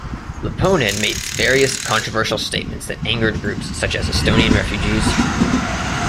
Lipponen made various controversial statements that angered groups such as Estonian refugees.